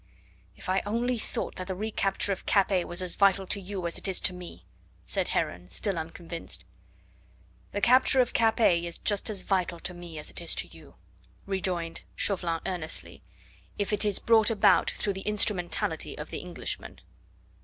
"If only I thought that the recapture of Capet was as vital to you as it is to me," said Heron, still unconvinced. "The capture of Capet is just as vital to me as it is to you," rejoined Chauvelin earnestly, "if it is brought about through the instrumentality of the Englishman."